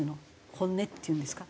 本音っていうんですか？